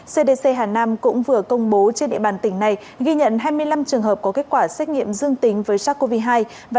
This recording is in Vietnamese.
cdc hà nam cũng vừa công bố trên địa bàn tỉnh này ghi nhận hai mươi năm trường hợp có kết quả xét nghiệm dương tính với sars cov hai